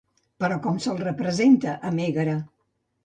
Però, com se'l representa a Mègara?